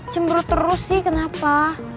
cemburu terus sih kenapa